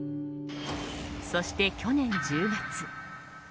そして、去年１０月。